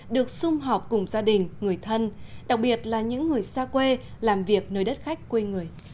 được xung họp cùng gia đình người thân đặc biệt là những người xa quê làm việc nơi đất khách quê người